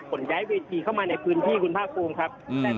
ขนย้ายเวทีเข้ามาในพื้นที่คุณภาคภูมิครับ